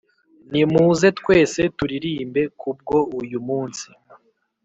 Nimuze mwese turirimbe, Kubwo uyu munsi